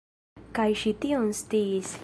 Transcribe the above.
Kaj ŝi tion sciis.